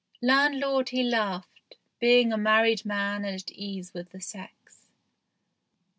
Landlord he laughed, being a married man and at ease with the sex.